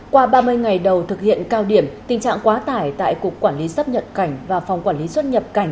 qua ba mươi ngày đầu thực hiện cao điểm tình trạng quá tải tại cục quản lý xuất nhập cảnh và phòng quản lý xuất nhập cảnh